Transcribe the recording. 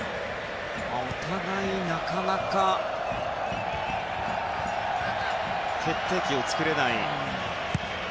お互い、なかなか決定機を作れない。